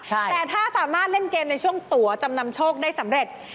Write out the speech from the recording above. แต่ถ้าสามารถเล่นเกมในช่วงตัวจำนำโชคได้สำเร็จ